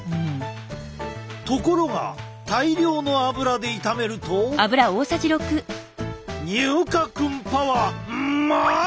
ところが大量の油で炒めると乳化くんパワーＭＡＸ！